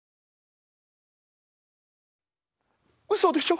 うそでしょ？